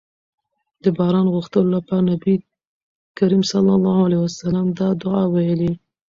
د باران غوښتلو لپاره نبي کريم صلی الله علیه وسلم دا دعاء ويلي